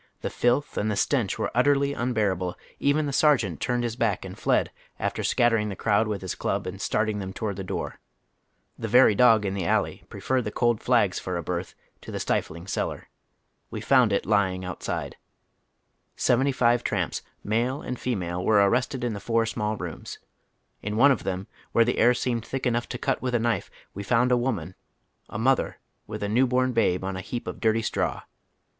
The filth and the stench were utterly unbearable ; even the sergeant turned his back and fled after scattering the crowd with his club and starting them toward the door. The very dog in the alley j.Cot>^lc 74 HOW THE OTlIEll HALF LIVEri. [)referred the cold Hags for a bertli to the stifling cellar. We found it lyiug ontside. Seventy five tramps, Jiialo and fomale, were arrested in the four email rooms. In one of them, where the air seemed thick enough to cut with a knife, we found a woman, a mother with a new born babe on a heap of dirty straw.